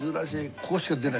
ここしか出ない。